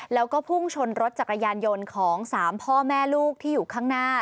แล้วก็พุ่งชนรถจักรยานยนต์ของ๓พ่อแม่ลูกที่อยู่ข้างหน้า